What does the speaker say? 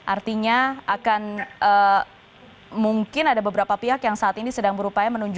artinya akan mungkin ada beberapa pihak yang saat ini sedang berupaya menunjukkan